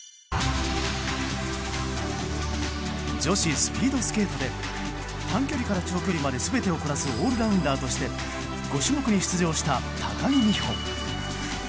女子スピードスケートで短距離から長距離まで全てをこなすオールラウンダーとして５種目に出場した高木美帆。